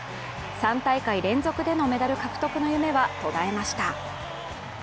３大会連続でのメダル獲得の夢は途絶えました。